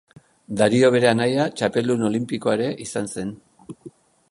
Dario bere anaia txapeldun olinpikoa ere izan zen.